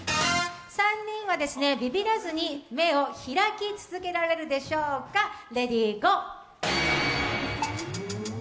３人はビビらずに目を開き続けられるでしょうか、レディーゴー。